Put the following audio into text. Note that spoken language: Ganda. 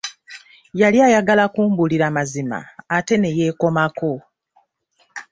Yali ayagala kumbuulira mazima ate ne yeekomako.